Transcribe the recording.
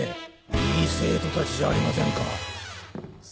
いい生徒たちじゃありませんか。